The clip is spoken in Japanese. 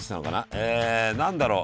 え何だろう？